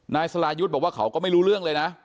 นายสรายุทธ์บอกว่าเขาก็ไม่รู้เรื่องเลยนะ